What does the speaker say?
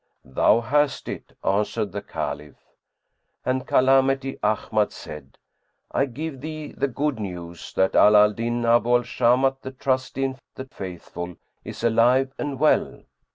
"Thou hast it," answered the Caliph; and Calamity Ahmad said, "I give thee the good news that Ala al Din Abu al Shamat, the Trusty, the Faithful, is alive and well."